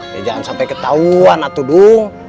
ya jangan sampai ketahuan atau dung